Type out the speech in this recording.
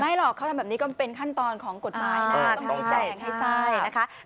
หรอกเขาทำแบบนี้ก็เป็นขั้นตอนของกฎหมายนะชี้แจงให้ทราบนะคะ